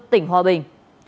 tỉnh hòa bình